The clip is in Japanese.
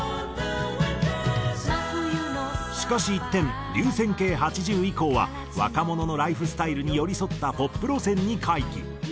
しかし一転『流線形’８０』以降は若者のライフスタイルに寄り添ったポップ路線に回帰。